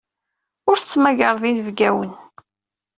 Ur tettmagareḍ inebgawen.